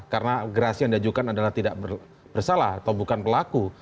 karena gerasi yang diajukan adalah tidak bersalah atau bukan pelaku